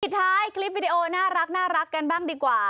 ท้ายคลิปวิดีโอน่ารักกันบ้างดีกว่า